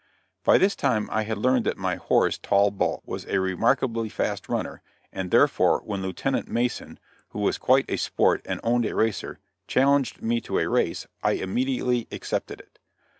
By this time I had learned that my horse Tall Bull was a remarkably fast runner, and therefore when Lieutenant Mason, who was quite a sport and owned a racer, challenged me to a race, I immediately accepted it.